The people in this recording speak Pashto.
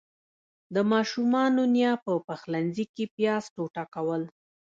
د ماشومانو نيا په پخلنځي کې پياز ټوټه کول.